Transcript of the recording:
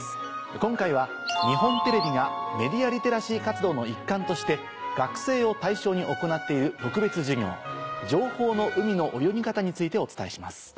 今回は日本テレビがメディアリテラシー活動の一環として学生を対象に行っている特別授業「情報の海の泳ぎ方」についてお伝えします。